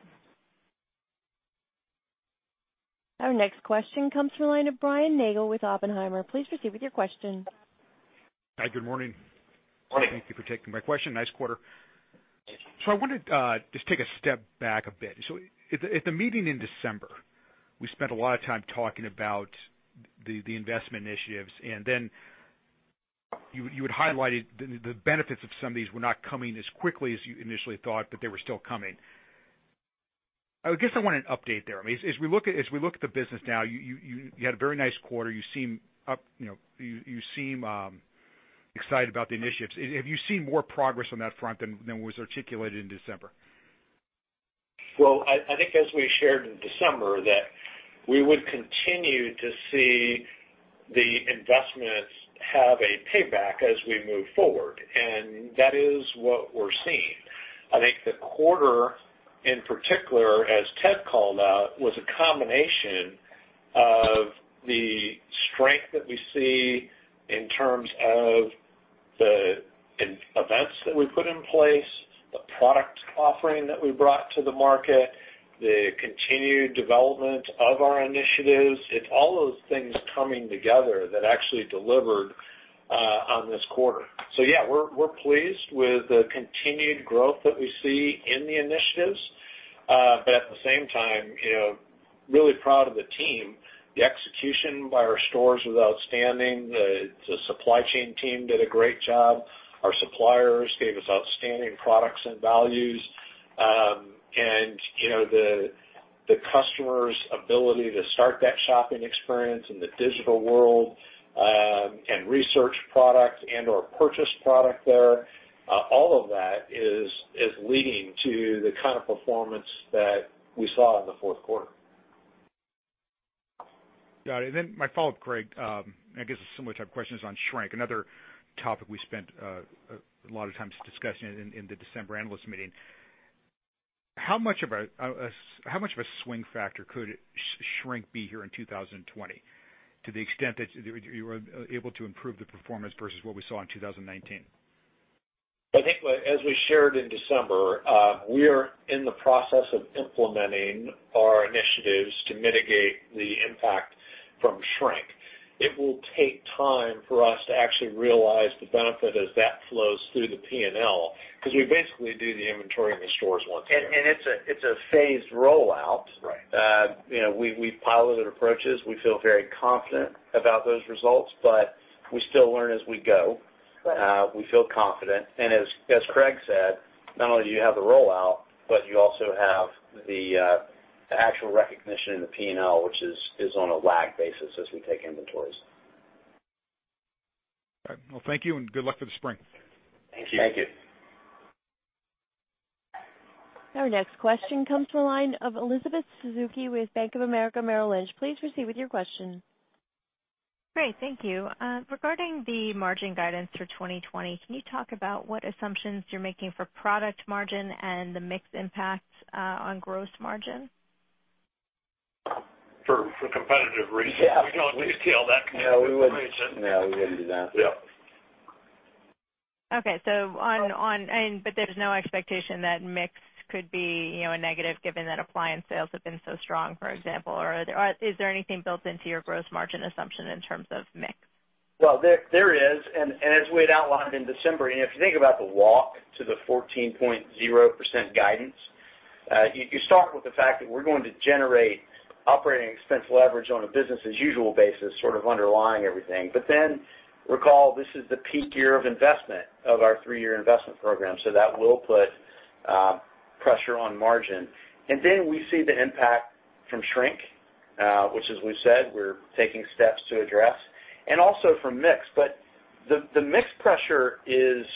Our next question comes from the line of Brian Nagel with Oppenheimer. Please proceed with your question. Hi, good morning. Morning. Thank you for taking my question. Nice quarter. I wanted to just take a step back a bit. At the meeting in December, we spent a lot of time talking about the investment initiatives, and then you had highlighted the benefits of some of these were not coming as quickly as you initially thought, but they were still coming. I guess I want an update there. As we look at the business now, you had a very nice quarter. You seem excited about the initiatives. Have you seen more progress on that front than was articulated in December? I think as we shared in December, that we would continue to see the investments have a payback as we move forward. That is what we're seeing. I think the quarter, in particular, as Ted called out, was a combination of the strength that we see in terms of the events that we put in place, the product offering that we brought to the market, the continued development of our initiatives. It's all those things coming together that actually delivered. On this quarter. Yeah, we're pleased with the continued growth that we see in the initiatives. At the same time, really proud of the team. The execution by our stores was outstanding. The supply chain team did a great job. Our suppliers gave us outstanding products and values. The customer's ability to start that shopping experience in the digital world, and research products and/or purchase product there, all of that is leading to the kind of performance that we saw in the fourth quarter. Got it. My follow-up, Craig, I guess a similar type question is on shrink. Another topic we spent a lot of time discussing in the December analyst meeting. How much of a swing factor could shrink be here in 2020 to the extent that you were able to improve the performance versus what we saw in 2019? I think as we shared in December, we are in the process of implementing our initiatives to mitigate the impact from shrink. It will take time for us to actually realize the benefit as that flows through the P&L because we basically do the inventory in the stores once a year. It's a phased rollout. Right. We've piloted approaches. We feel very confident about those results, but we still learn as we go. We feel confident and as Craig said, not only do you have the rollout, but you also have the actual recognition in the P&L, which is on a lag basis as we take inventories. All right. Well, thank you and good luck for the spring. Thank you. Thank you. Our next question comes from the line of Elizabeth Suzuki with Bank of America Merrill Lynch. Please proceed with your question. Great. Thank you. Regarding the margin guidance for 2020, can you talk about what assumptions you're making for product margin and the mix impacts on gross margin? For competitive reasons. Yeah. We can't detail that competitive reason. No, we wouldn't do that. Yeah. Okay. There's no expectation that mix could be a negative given that appliance sales have been so strong, for example? Is there anything built into your gross margin assumption in terms of mix? Well, there is. As we had outlined in December, and if you think about the walk to the 14.0% guidance, you start with the fact that we're going to generate operating expense leverage on a business as usual basis, sort of underlying everything. Recall this is the peak year of investment of our three-year investment program. That will put pressure on margin. We see the impact from shrink, which as we've said, we're taking steps to address. Also from mix. The mix pressure is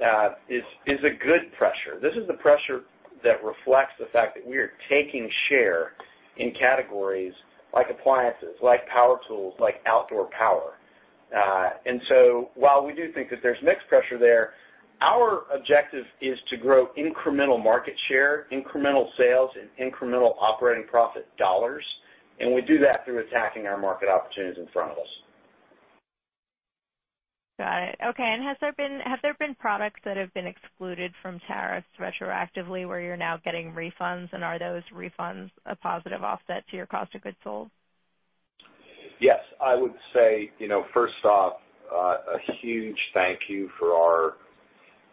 a good pressure. This is the pressure that reflects the fact that we are taking share in categories like appliances, like power tools, like outdoor power. While we do think that there's mix pressure there, our objective is to grow incremental market share, incremental sales and incremental operating profit dollars. We do that through attacking our market opportunities in front of us. Got it. Okay. Have there been products that have been excluded from tariffs retroactively where you're now getting refunds? Are those refunds a positive offset to your cost of goods sold? Yes. I would say, first off, a huge thank you for our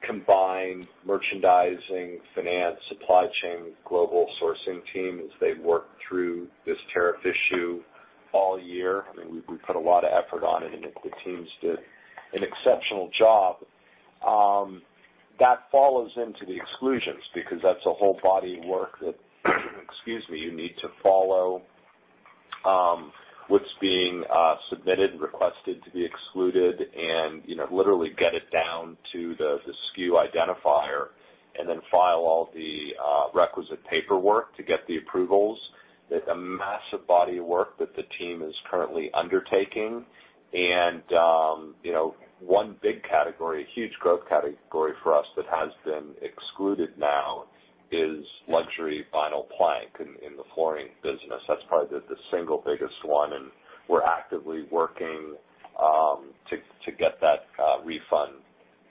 combined merchandising, finance, supply chain, global sourcing team as they worked through this tariff issue all year. I mean, we put a lot of effort on it, and the teams did an exceptional job. That follows into the exclusions because that's a whole body of work that, excuse me, you need to follow what's being submitted and requested to be excluded and literally get it down to the SKU identifier and then file all the requisite paperwork to get the approvals. That's a massive body of work that the team is currently undertaking. One big category, a huge growth category for us that has been excluded now is luxury vinyl plank in the flooring business. That's probably the single biggest one, and we're actively working to get that refund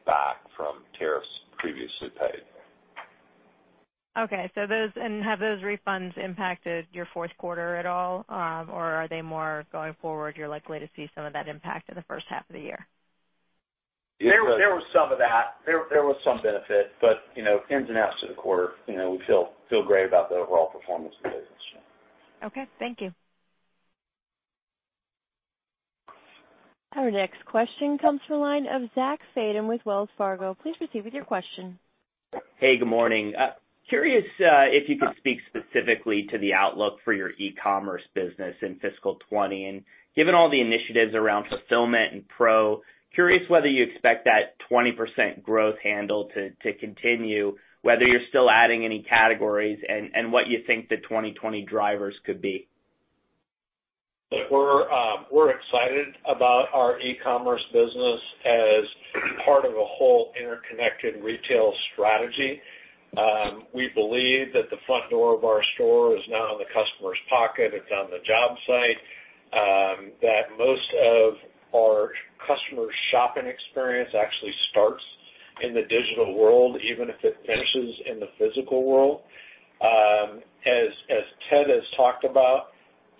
back from tariffs previously paid. Okay. Have those refunds impacted your fourth quarter at all? Are they more going forward, you're likely to see some of that impact in the first half of the year? There was some of that. There was some benefit, ins and outs to the quarter, we feel great about the overall performance of the business. Okay. Thank you. Our next question comes from the line of Zach Fadem with Wells Fargo. Please proceed with your question. Hey, good morning. Curious if you could speak specifically to the outlook for your e-commerce business in fiscal 2020. Given all the initiatives around fulfillment and pro, curious whether you expect that 20% growth handle to continue, whether you're still adding any categories and what you think the 2020 drivers could be. Look, we're excited about our e-commerce business as part of a whole interconnected retail strategy. We believe that the front door of our store is now in the customer's pocket, it's on the job site, that most of our customer's shopping experience actually starts in the digital world, even if it finishes in the physical world. As Ted has talked about,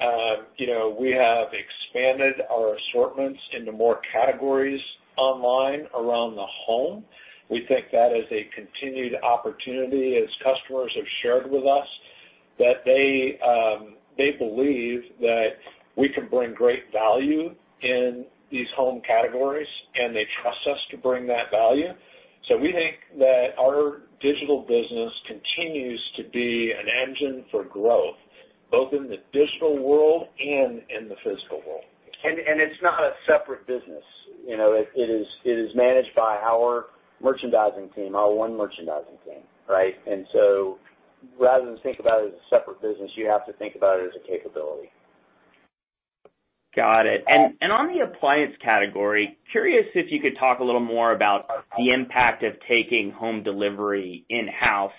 we have expanded our assortments into more categories online around the home. We think that is a continued opportunity as customers have shared with us that they believe that we can bring great value in these home categories, and they trust us to bring that value. We think that our digital business continues to be an engine for growth, both in the digital world and in the physical world. It's not a separate business. It is managed by our merchandising team, our one merchandising team, right? Rather than think about it as a separate business, you have to think about it as a capability. Got it. On the appliance category, curious if you could talk a little more about the impact of taking home delivery in-house.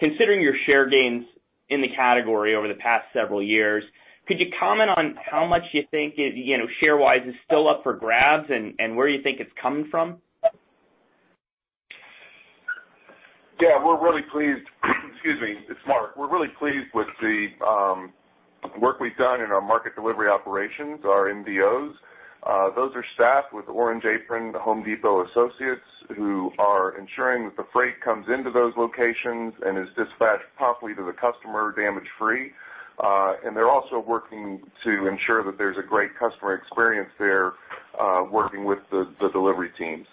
Considering your share gains in the category over the past several years, could you comment on how much you think, share-wise, is still up for grabs and where you think it's coming from? Yeah, we're really pleased. Excuse me. It's Mark. We're really pleased with the work we've done in our Market Delivery Operations, our MDOs. Those are staffed with Orange Apron The Home Depot associates who are ensuring that the freight comes into those locations and is dispatched promptly to the customer, damage-free. They're also working to ensure that there's a great customer experience there, working with the delivery teams.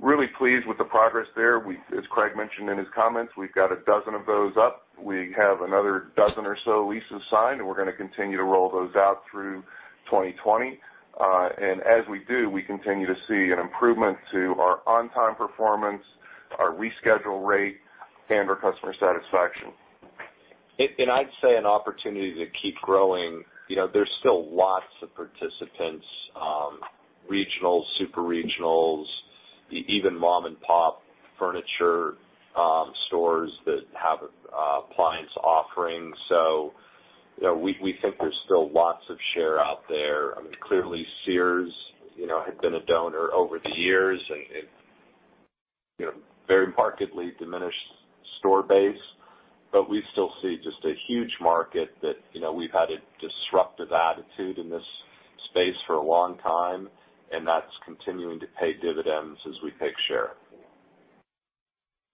Really pleased with the progress there. As Craig mentioned in his comments, we've got a dozen of those up. We have another dozen or so leases signed, we're going to continue to roll those out through 2020. As we do, we continue to see an improvement to our on-time performance, our reschedule rate, and our customer satisfaction. I'd say an opportunity to keep growing. There's still lots of participants, regionals, super regionals, even mom-and-pop furniture stores that have appliance offerings. We think there's still lots of share out there. Clearly, Sears had been a donor over the years and very markedly diminished store base. We still see just a huge market that we've had a disruptive attitude in this space for a long time, and that's continuing to pay dividends as we take share.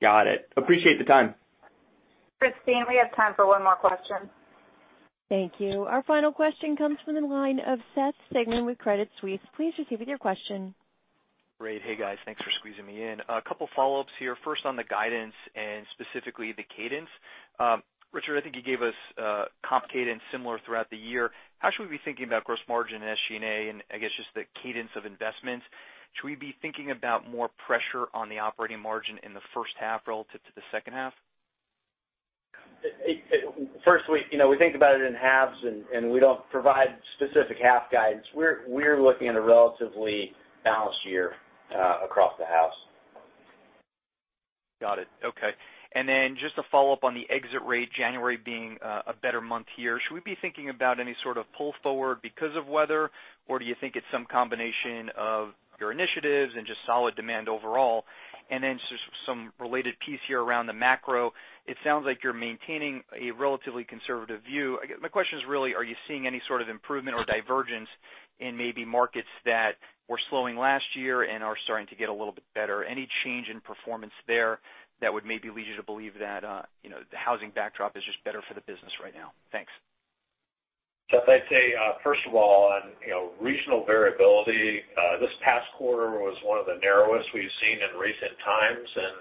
Got it. Appreciate the time. Christine, we have time for one more question. Thank you. Our final question comes from the line of Seth Sigman with Credit Suisse. Please proceed with your question. Great. Hey, guys. Thanks for squeezing me in. A couple follow-ups here. First, on the guidance and specifically the cadence. Richard, I think you gave us comp cadence similar throughout the year. How should we be thinking about gross margin and SG&A and I guess just the cadence of investments? Should we be thinking about more pressure on the operating margin in the first half relative to the second half? First, we think about it in halves, and we don't provide specific half guidance. We're looking at a relatively balanced year across the house. Got it. Okay. Just a follow-up on the exit rate, January being a better month here. Should we be thinking about any sort of pull forward because of weather, or do you think it's some combination of your initiatives and just solid demand overall? Just some related piece here around the macro. It sounds like you're maintaining a relatively conservative view. My question is really, are you seeing any sort of improvement or divergence in maybe markets that were slowing last year and are starting to get a little bit better? Any change in performance there that would maybe lead you to believe that the housing backdrop is just better for the business right now? Thanks. Seth, I'd say, first of all, on regional variability, this past quarter was one of the narrowest we've seen in recent times, and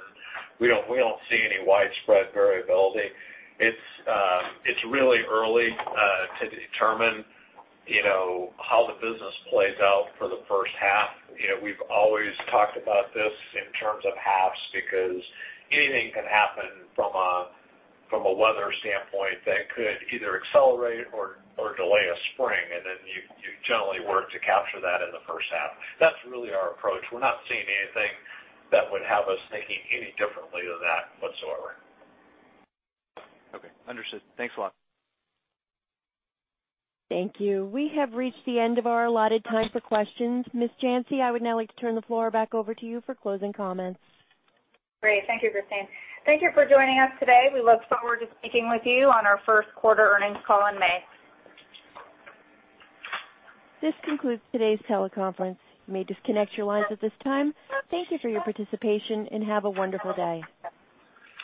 we don't see any widespread variability. It's really early to determine how the business plays out for the first half. We've always talked about this in terms of halves because anything can happen from a weather standpoint that could either accelerate or delay a spring, and then you generally work to capture that in the first half. That's really our approach. We're not seeing anything that would have us thinking any differently than that whatsoever. Okay. Understood. Thanks a lot. Thank you. We have reached the end of our allotted time for questions. Ms. Janci, I would now like to turn the floor back over to you for closing comments. Great. Thank you, Christine. Thank you for joining us today. We look forward to speaking with you on our first quarter earnings call in May. This concludes today's teleconference. You may disconnect your lines at this time. Thank you for your participation, and have a wonderful day.